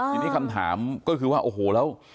อยู่ที่คำถามก็คือว่าโอ้โฮแล้ว